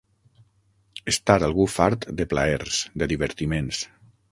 Estar algú fart de plaers, de divertiments.